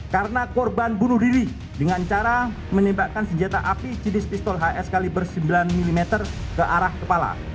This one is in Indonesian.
karena korban bunuh diri dengan cara menembakkan senjata api jenis pistol hs kaliber sembilan mm ke arah kepala